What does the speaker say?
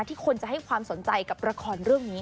คนจะให้ความสนใจกับละครเรื่องนี้